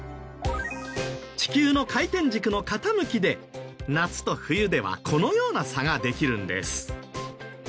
地球の回転軸の傾きで夏と冬ではこのような差ができるんです。